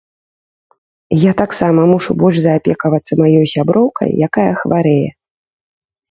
Я таксама мушу больш заапекавацца маёй сяброўкай, якая хварэе.